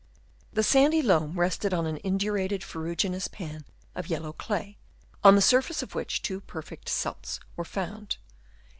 The sandy loam rested on an indurated ferruginous pan of yellow clay, on the surface of which two perfect celts were found.